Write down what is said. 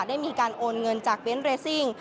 ได้มีการโอนเงินจากเบนท์เรซิ่ง